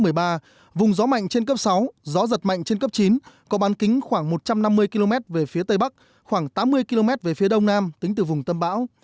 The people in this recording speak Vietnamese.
vùng gió mạnh trên cấp sáu gió giật mạnh trên cấp chín có bán kính khoảng một trăm năm mươi km về phía tây bắc khoảng tám mươi km về phía đông nam tính từ vùng tâm bão